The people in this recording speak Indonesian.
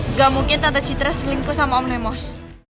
enggak mungkin tante citra selingkuh sama om lemos